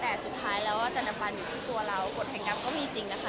แต่สุดท้ายแล้วจันทบันอยู่ที่ตัวเรากฎแห่งกรรมก็มีจริงนะคะ